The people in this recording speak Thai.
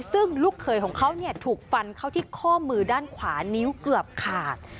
ซึ่งลูกเคยของเขาถูกฟันเข้าที่ข้อมือด้านขวานิ้วเกือบขาด